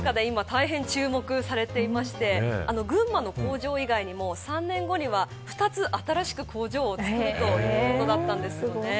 大変、注目されていまして群馬の工場以外にも、３年後には２つ新しく工場を作るということだったんです。